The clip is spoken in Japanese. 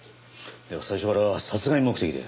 では最初から殺害目的で？